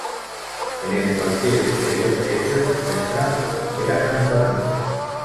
En el cuartel inferior derecho se muestra la bandera cantonal.